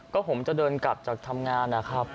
ก็ผมจะเดินกลับจากทำงานนะครับ